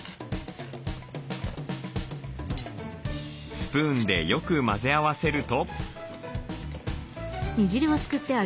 スプーンでよく混ぜ合わせると。